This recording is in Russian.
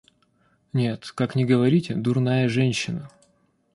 Нет, как ни говорите, дурная женщина.